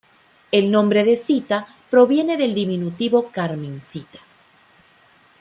El nombre de Sita proviene del diminutivo Carmencita.